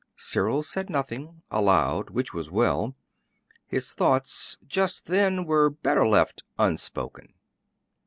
Cyril said nothing aloud; which was well. His thoughts, just then, were better left unspoken.